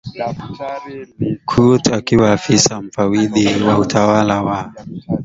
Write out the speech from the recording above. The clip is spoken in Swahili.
Coote akiwa Afisa Mfawidhi wa Utawala wa